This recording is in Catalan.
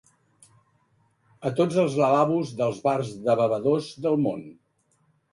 A tots els lavabos dels bars de bevedors del món.